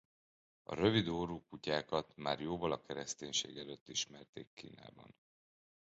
A rövid orrú kutyákat már jóval a kereszténység előtt ismerték Kínában.